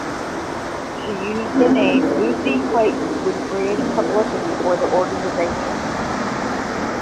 She used the name "Lucie Clayton" when creating publicity for the organisation.